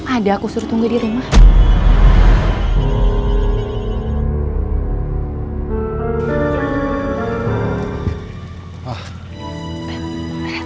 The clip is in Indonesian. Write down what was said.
ada aku suruh tunggu di rumah